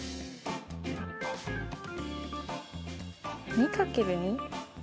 ２×２？